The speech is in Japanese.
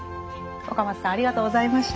若松さんありがとうございました。